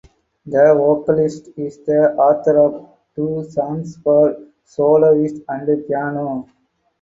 The vocalist is the author of two songs for soloist and piano.